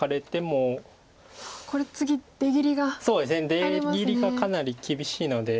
出切りがかなり厳しいので。